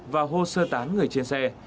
và hô sơ tán người trên xe